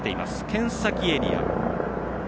剣先エリア。